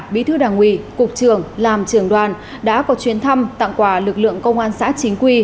bí thư đảng ủy cục trưởng làm trưởng đoàn đã có chuyến thăm tặng quà lực lượng công an xã chính quy